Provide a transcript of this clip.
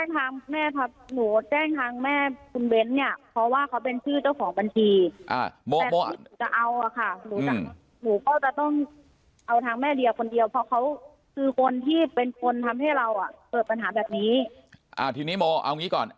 คือคนที่เป็นคนทำให้เราอ่ะเปิดปัญหาแบบนี้อ่าทีนี้โมเอางี้ก่อน